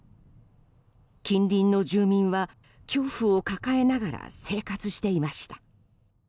近隣の住民は恐怖を抱えながら生活していました。